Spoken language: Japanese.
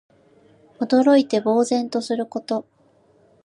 驚いて呆然とすること。